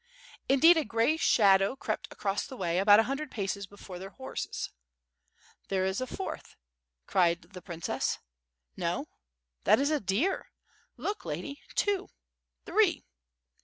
Indeed, a gray shadow crept across the way, about a hun dred paces before their horses. "There is a fourth," cried the princess. "No, that is a deer. Look, lady, two — ^three."